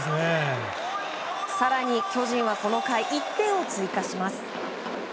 更に巨人は、この回１点を追加します。